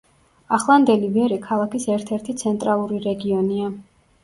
ახლანდელი ვერე ქალაქის ერთ-ერთი ცენტრალური რეგიონია.